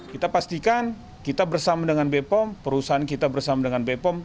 kita pastikan kita bersama dengan b pom perusahaan kita bersama dengan b pom